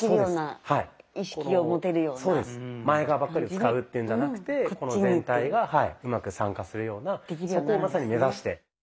前側ばっかりを使うっていうんじゃなくてこの全体がうまく参加するようなそこをまさに目指して。